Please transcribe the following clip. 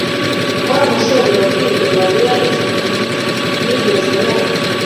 Wa musore yabwiye Mariya ikintu ntigeze numva